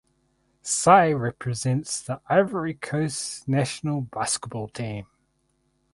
Sie represents the Ivory Coast national basketball team.